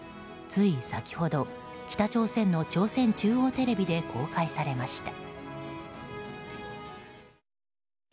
つい先ほど北朝鮮の朝鮮中央テレビで公開されました。